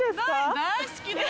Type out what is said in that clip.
大好きです。